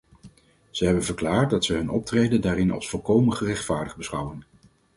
Ze hebben verklaard dat ze hun optreden daarin als volkomen gerechtvaardigd beschouwen.